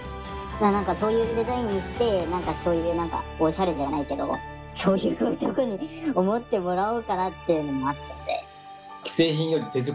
何かそういうデザインにして何かそういうオシャレじゃないけどそういう男に思ってもらおうかなっていうのもあって。